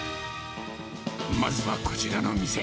まずはこちらの店。